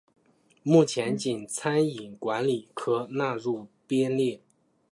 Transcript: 目前仅餐饮管理科纳入编列。